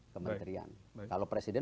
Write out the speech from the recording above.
kementerian kalau presiden